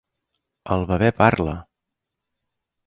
El bebè PARLA!